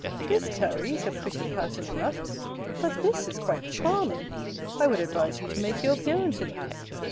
This, Clary, is a pretty pattern enough: but this is quite charming! I would advise you to make your appearance in it.